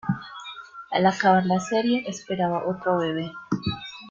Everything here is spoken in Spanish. Al acabar la serie esperaba otro bebe.